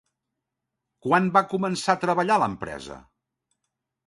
Quan va començar a treballar a l'empresa?